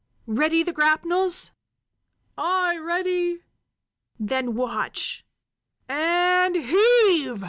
Ready the grapnels?" "Aye, ready!" "Then watch and heave!"